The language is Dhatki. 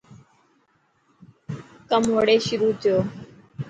ڪم وڙي شروح ٿيي.